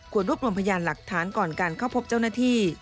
เจ้าสาวขอเลี่ยงพยานหลักฐานก่อนการเข้าพบเจ้าหน้าที่